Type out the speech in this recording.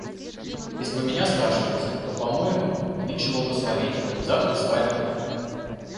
Если вы меня спрашиваете, то, по моему, нынче благословить и завтра свадьба.